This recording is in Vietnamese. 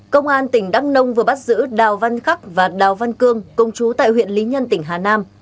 công an tỉnh đắk nông vừa bắt giữ đào văn khắc và đào văn cương công chú tại huyện lý nhân tỉnh hà nam